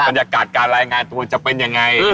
บรรยากาศการรายงานตัวจะเป็นยังไง